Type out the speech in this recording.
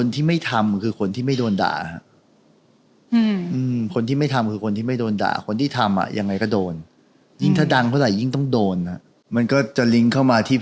แต่ว่าคนที่ด่าเรา